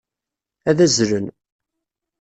Ad azzlen.